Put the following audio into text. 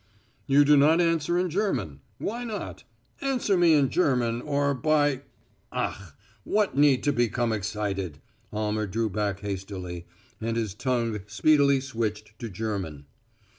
"You do not answer in German; why not? Answer me in German or by " "Ach! What need to become excited?" Almer drew back hastily, and his tongue speedily switched to German.